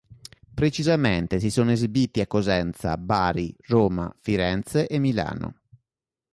Precisamente si sono esibiti a Cosenza, Bari, Roma, Firenze e Milano.